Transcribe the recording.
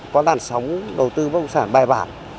có làn sóng đầu tư bất động sản bài bản